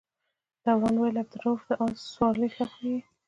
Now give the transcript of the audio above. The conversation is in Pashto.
دوران وویل عبدالروف د آس سورلۍ ښه پوهېږي.